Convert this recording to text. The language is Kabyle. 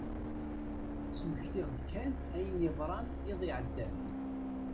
Ttmektiɣ-d kan ayen yeḍran iḍ iɛeddan.